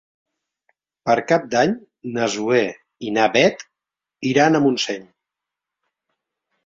Per Cap d'Any na Zoè i na Bet iran a Montseny.